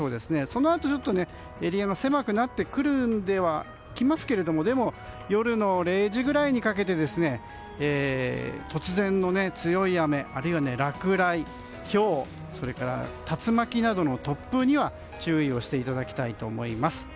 そのあと、ちょっとエリアが狭くなってはきますけれどもでも、夜０時ぐらいにかけて突然の強い雨あるいは落雷、ひょうそれから竜巻などの突風には注意をしていただきたいと思います。